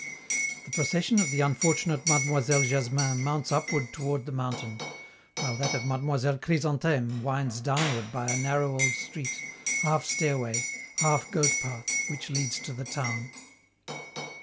The procession of the unfortunate Mademoiselle Jasmin mounts upward toward the mountain, while that of Mademoiselle Chrysantheme winds downward by a narrow old street, half stairway, half goat path, which leads to the town.